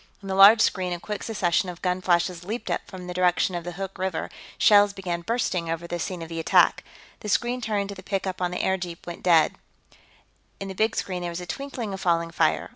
In the large screen, a quick succession of gun flashes leaped up from the direction of the Hoork River and shells began bursting over the scene of the attack. The screen tuned to the pickup on the airjeep went dead; in the big screen, there was a twinkling of falling fire.